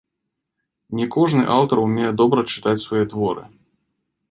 Не кожны аўтар умее добра чытаць свае творы.